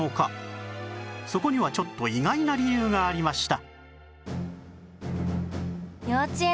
そこにはちょっと意外な理由がありました